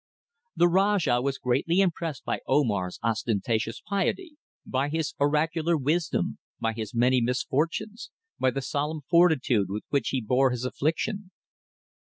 The Rajah was greatly impressed by Omar's ostentatious piety, by his oracular wisdom, by his many misfortunes, by the solemn fortitude with which he bore his affliction.